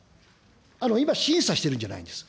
今、審査しているんじゃないんです。